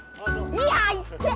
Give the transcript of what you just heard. いやいってえ！